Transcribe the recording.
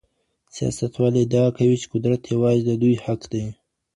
سیاستوال ادعا کوي چې قدرت یوازې د دوی حق دی.